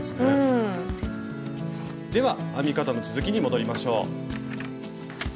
では編み方の続きに戻りましょう。